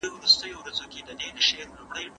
نوې جګړې زړې کړاوونه زیاتوي.